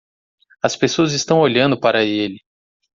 As pessoas estão olhando para ele.